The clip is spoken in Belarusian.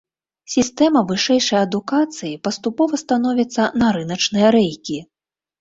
Сістэма вышэйшай адукацыі паступова становіцца на рыначныя рэйкі.